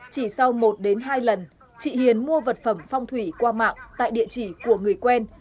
chỉ sau một hai lần chị hiền mua vật phẩm phong thủy qua mạng tại địa chỉ của người quen